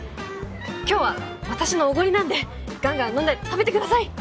今日は私のおごりなんでガンガン飲んで食べてください！